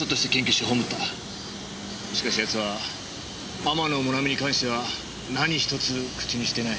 しかし奴は天野もなみに関しては何一つ口にしていない。